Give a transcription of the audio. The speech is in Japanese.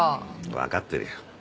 わかってるよ。